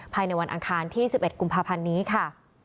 ภายในวันอังคารที่๑๑กุมภาพันธ์นี้ค่ะ